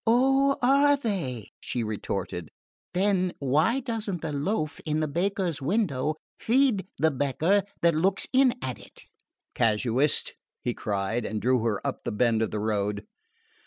"Oh, are they?" she retorted. "Then why doesn't the loaf in the baker's window feed the beggar that looks in at it?" "Casuist!" he cried and drew her up the bend of the road.